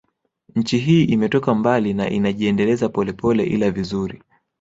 Nchi hii imetoka mbali na inajiendeleza polepole ila vizuri